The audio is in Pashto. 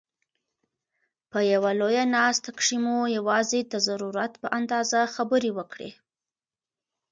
په یوه لویه ناست کښي مو یوازي د ضرورت په اندازه خبري وکړئ!